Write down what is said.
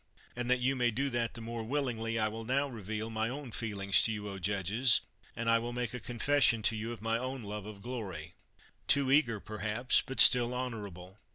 And that you may do that the more willingly, I will now reveal my own feelings to you, O judges, and I will make a confession to you of my own love of glory, — ^too eager perhaps, but still honorable.